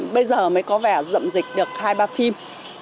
bây giờ mới có vẻ dậm dịch được hai ba phim